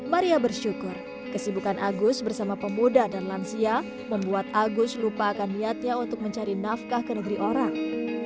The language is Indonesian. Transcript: maria bersyukur kesibukan agus bersama pemuda dan lansia membuat agus lupa akan niatnya untuk mencari nafkah ke negeri orang